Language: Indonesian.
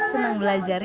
senang belajar ya